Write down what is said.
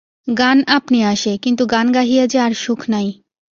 গান আপনি আসে, কিন্তু গান গাহিয়া যে আর সুখ নাই।